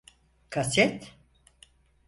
Kaset…